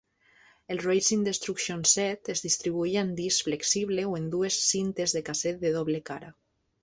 El "Racing Destruction Set" es distribuïa en disc flexible o en dues cintes de casset de doble cara.